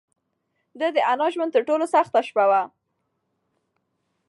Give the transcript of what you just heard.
دا د انا د ژوند تر ټولو سخته شپه وه.